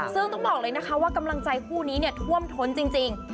ซึ่งต้องบอกเลยนะคะว่ากำลังใจคู่นี้เนี่ยท่วมท้นจริง